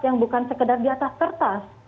yang bukan sekedar di atas kertas